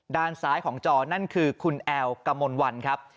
ด้านซ้ายของจอนั่นคือคุณแอลกมลวันครับ